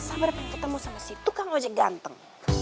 sabar pengen ketemu sama si tukang ojek ganteng